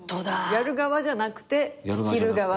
やる側じゃなくて仕切る側だと。